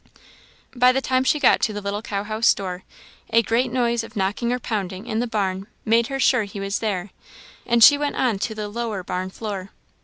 By the time she got to the little cowhouse door, a great noise of knocking or pounding in the barn made her sure he was there, and she went on to the lower barn floor.